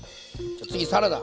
じゃあ次サラダ。